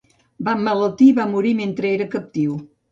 Va emmalaltir i va morir mentre era captiu.